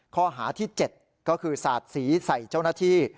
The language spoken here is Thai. ข้อหาที่๗ก็คือสาดสีใส่เจ้าหน้าที่